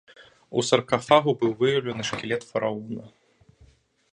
У саркафагу быў выяўлены шкілет фараона.